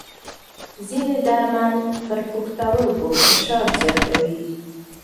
ځینې درمل پر پښتورګو فشار زیاتوي.